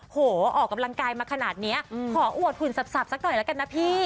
โหออกกำลังกายมาขนาดนี้ขออวดหุ่นสับสักหน่อยแล้วกันนะพี่